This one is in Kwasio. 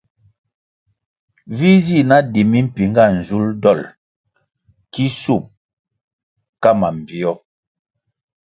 Vi zi na di mimpinga nzulʼ dolʼ ki shup ka mambpio.